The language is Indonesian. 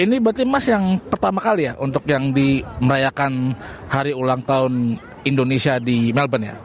ini berarti emas yang pertama kali ya untuk yang di merayakan hari ulang tahun indonesia di melbourne ya